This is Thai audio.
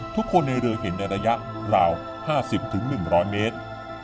ทุกคนในเรือเห็นในระยะราว๕๐๑๐๐เมตร